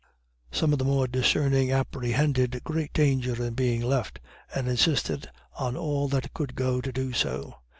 Some of the more discerning apprehended great danger in being left, and insisted on all that could go to do so.